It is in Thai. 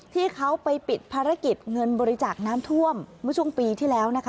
ที่เขาไปปิดภารกิจเงินบริจาคน้ำท่วมเมื่อช่วงปีที่แล้วนะคะ